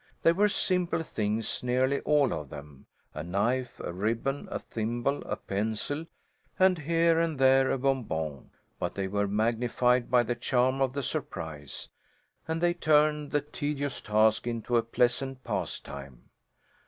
They were simple things, nearly all of them. A knife, a ribbon, a thimble, a pencil, and here and there a bonbon, but they were magnified by the charm of the surprise, and they turned the tedious task into a pleasant pastime.